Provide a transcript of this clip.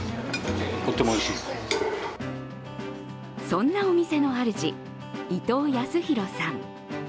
そんなお店のあるじ伊東康裕さん。